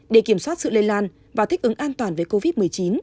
để kiểm soát sự lây lan và thích ứng an toàn với covid một mươi chín